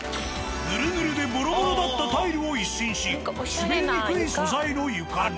ぬるぬるでボロボロだったタイルを一新し滑りにくい素材の床に。